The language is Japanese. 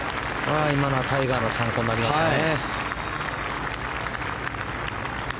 今のはタイガーの参考になりましたね。